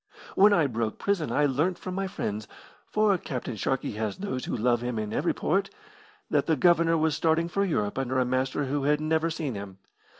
When I broke prison I learnt from my friends for Captain Sharkey has those who love him in every port that the Governor was starting for Europe under a master who had never seen him.